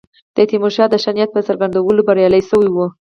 د تیمورشاه د ښه نیت په څرګندولو بریالي شوي وو.